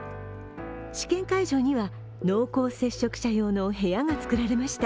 試験会場には、濃厚接触者用の部屋が作られました。